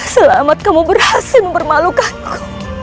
selamat kamu berhasil mempermalukanku